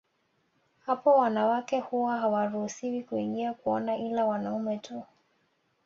Hapo wanawake huwa hawaruhusiwi kuingia kuona ila wanaume tu